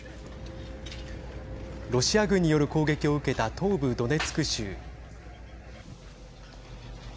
ロシア軍による攻撃を受けた東部ドネツク州。